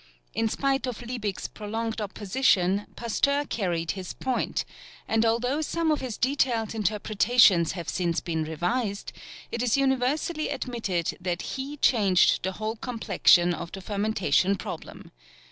In spite of Liebig's prolonged opposition, Pasteur carried his point; and although some of his detailed interpretations have since been revised, it is universally admitted that he changed the whole complexion of the fermentation problem.